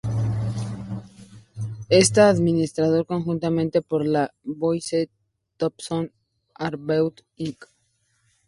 Está administrado conjuntamente por la "Boyce Thompson Arboretum, Inc.